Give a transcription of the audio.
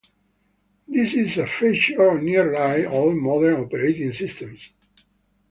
This is a feature on nearly all modern operating systems.